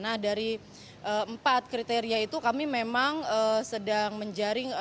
nah dari empat kriteria itu kami memang sedang menjaring